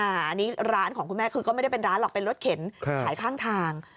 อันนี้ร้านของคุณแม่คือก็ไม่ได้เป็นร้านหรอกเป็นรถเข็นขายข้างทาง